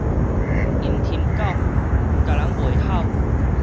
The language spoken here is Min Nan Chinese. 陰鴆狗，咬人袂吼